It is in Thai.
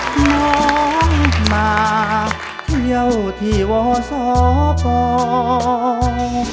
น้องมาเที่ยวที่โวสอปอง